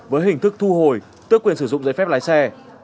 với hình thức thu hồi tước quyền sử dụng giấy phép lái xe